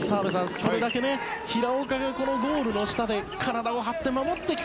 それだけ平岡がこのゴールの下で体を張って守ってきた。